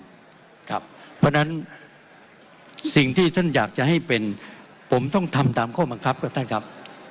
เพราะฉะนั้นสิ่งที่ท่านอยากจะให้เป็นผมต้องทำตามข้อบังคับครับท่านครับ